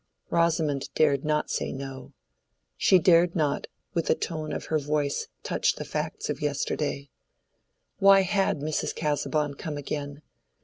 Rosamond dared not say no. She dared not with a tone of her voice touch the facts of yesterday. Why had Mrs. Casaubon come again?